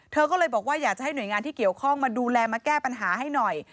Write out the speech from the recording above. เธอก็เลยบอกว่าอยากจะให้หน่วยงานที่เกี่ยวข้องมาดูแลมาแก้ปัญหาให้หน่อย